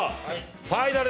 ファイナルです。